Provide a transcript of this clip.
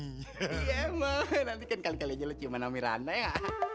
iya emang nanti kan kali kali aja lo ciuman om mirana ya